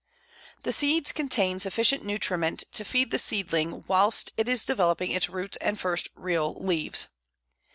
The seeds contain sufficient nutriment to feed the seedling whilst it is developing it roots and first real leaves.